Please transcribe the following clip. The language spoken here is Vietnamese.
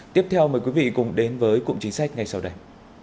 tiếp theo mời quý vị cùng đến với cụm chính sách ngay sau đây